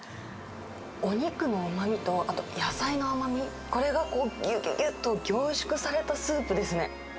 お肉のうまみと、あと野菜の甘み、これがぎゅぎゅぎゅっと凝縮されたスープですね。